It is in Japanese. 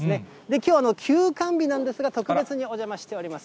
きょう、休館日なんですが、特別にお邪魔しております。